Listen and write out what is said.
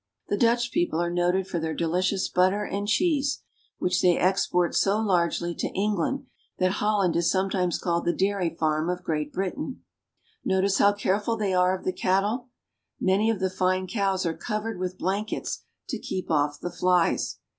The Dutch people are noted for their delicious butter and cheese, which they export so largely to England that Holland is sometimes called the dairy farm of Great Britain. Notice how careful they are of the cattle. Many of the fine cows are covered with blankets to keep off the flies.